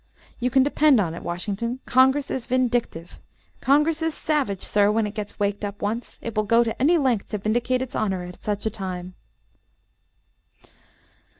"You can depend on it, Washington. Congress is vindictive, Congress is savage, sir, when it gets waked up once. It will go to any length to vindicate its honor at such a time."